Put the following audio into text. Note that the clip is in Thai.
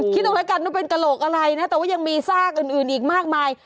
คิดเอาแล้วกันว่าเป็นกระโหลกอะไรนะแต่ว่ายังมีซากอื่นอีกมากมาย